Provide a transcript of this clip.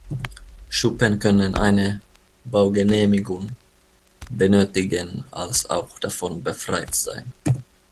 Schuppen können eine Baugenehmigung benötigen als auch davon befreit sein.